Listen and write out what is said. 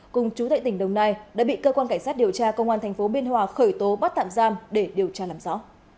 cùng chú tệ tỉnh đồng nai đã bị cơ quan cảnh sát điều tra công an tp biên hòa khởi tố bắt tạm giam để điều tra làm rõ